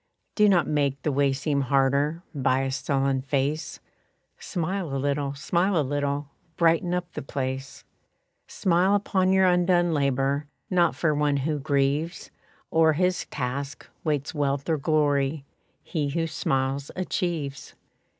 Do not make the way seem harder By a sullen face, Smile a little, smile a little, Brighten up the place. Smile upon your undone labor; Not for one who grieves O'er his task, waits wealth or glory; He who smiles achieves.